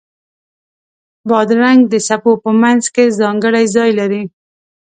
بادرنګ د سبو په منځ کې ځانګړی ځای لري.